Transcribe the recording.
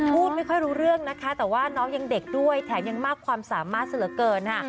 พูดไม่ค่อยรู้เรื่องนะคะแต่ว่าน้องยังเด็กด้วยแถมยังมากความสามารถซะเหลือเกินค่ะ